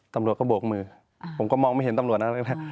ตำรวจก็โบกมือผมก็มองไม่เห็นตำรวจอะไร